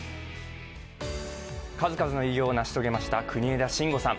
数々の偉業を成し遂げました国枝慎吾さん。